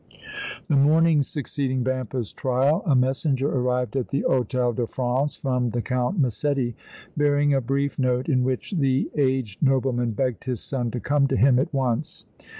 The morning succeeding Vampa's trial a messenger arrived at the Hôtel de France from the Count Massetti, bearing a brief note in which the aged nobleman begged his son to come to him at once.